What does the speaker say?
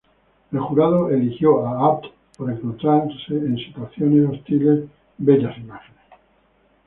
El jurado eligió a Abd por encontrar en situaciones hostiles bellas imágenes.